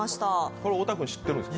これ、太田君知ってるんですか？